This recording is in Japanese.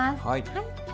はい。